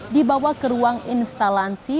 dibawa ke ruang instalasi